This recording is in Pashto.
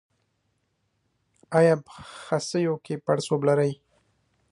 ایا په خصیو کې پړسوب لرئ؟